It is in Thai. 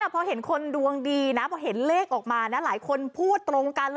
พอเห็นคนดวงดีนะพอเห็นเลขออกมาหลายคนพูดตรงกันเลย